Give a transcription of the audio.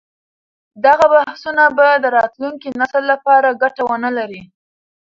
دغه بحثونه به د راتلونکي نسل لپاره ګټه ونه لري.